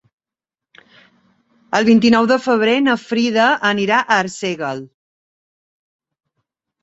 El vint-i-nou de febrer na Frida anirà a Arsèguel.